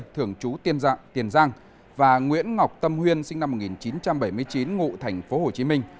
thường trú tiền giang và nguyễn ngọc tâm huyê sinh năm một nghìn chín trăm bảy mươi chín ngụ thành phố hồ chí minh